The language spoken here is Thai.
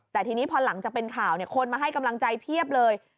แต่ทีนี้พอหลังจากเป็นข่าวคนมาให้กำลังใจเพียบเลย